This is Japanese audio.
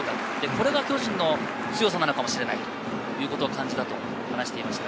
これが巨人の強さなのかもしれないということを感じたと話していました。